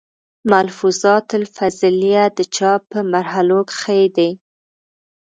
ملفوظات الافضلېه، د چاپ پۀ مرحلو کښې دی